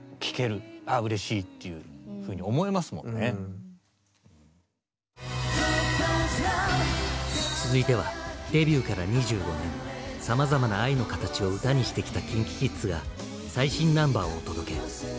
「ＴｏｐａｚＬｏｖｅ」続いてはデビューから２５年さまざまな愛の形を歌にしてきたＫｉｎＫｉＫｉｄｓが最新ナンバーをお届け。